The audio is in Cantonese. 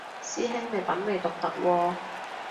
師兄你品味獨特喎